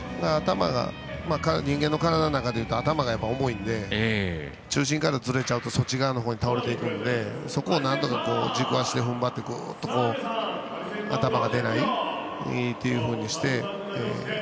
人間の体でいうと頭が重いので中心からずれちゃうとそっち側に倒れちゃうのでそこをなんとか軸足で踏ん張って頭が出ないようにして。